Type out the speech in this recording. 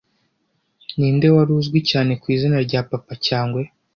Ninde wari uzwi cyane ku izina rya papa cyangwe